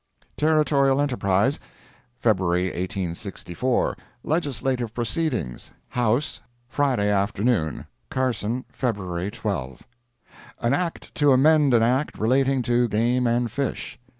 ] Territorial Enterprise, February 1864 LEGISLATIVE PROCEEDINGS HOUSE—FRIDAY AFTERNOON CARSON, February 12 An Act to amend an Act relating to game and fish.